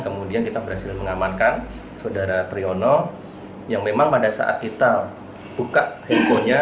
kemudian kita berhasil mengamankan saudara triyono yang memang pada saat kita buka handphonenya